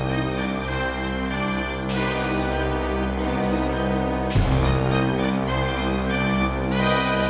bu armi mencoba membunuh saya